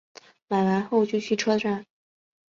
买完后就去车站